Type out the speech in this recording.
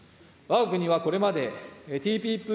わが国はこれまで、ＴＰＰ